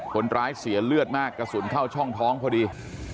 เสียเลือดมากกระสุนเข้าช่องท้องพอดี